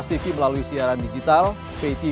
ya pelaksanaannya itu sama